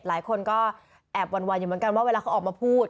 หลายคนก็แอบหวั่นอยู่เหมือนกันว่าเวลาเขาออกมาพูด